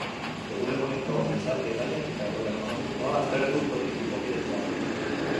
Egun-eguneko gizarte gaiak eta egoera ekonomikoa aztertuko ditu gonbidatuak.